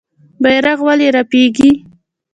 بیرغ ولې رپیږي؟